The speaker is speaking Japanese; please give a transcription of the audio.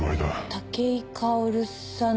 武井薫さん